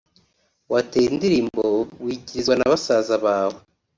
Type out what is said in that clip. wateye indirimbo wikirizwa na basaza bawe